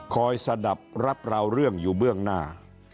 สะดับรับราวเรื่องอยู่เบื้องหน้า